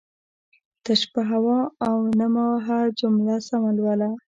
تش په هو او نه مه وهه جمله سمه لوله